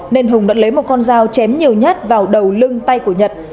nên hùng đã lấy một con dao chém nhiều nhát vào đầu lưng tay của nhật